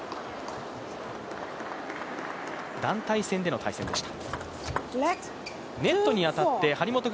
団体戦での対戦でした。